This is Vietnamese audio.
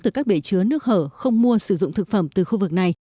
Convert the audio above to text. từ các bể chứa nước hở không mua sử dụng thực phẩm từ khu vực này